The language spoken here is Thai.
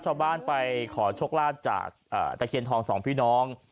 ชาวบ้านไปขอโชคลาภจากตะเคียนทองสองพี่น้อง